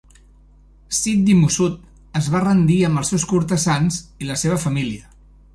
Siddi Musud es va rendir amb els seus cortesans i la seva família.